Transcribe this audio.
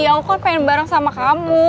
ya aku kan pengen bareng sama kamu